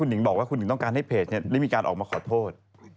คุณหนิงบอกว่าคุณหนิงต้องการให้เพจนี่ไม่มีการกาลขอโทษ